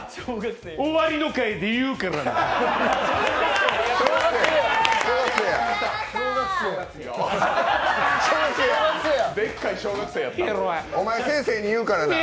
終わりの会で言うからな。